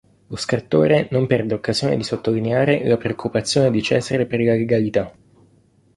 Lo scrittore non perde occasione di sottolineare la preoccupazione di Cesare per la legalità.